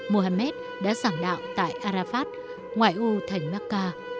muhammad đã giảng đạo tại arafat ngoại ô thành mecca